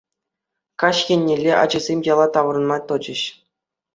Каҫ еннелле ачасем яла таврӑнма тӑчӗҫ.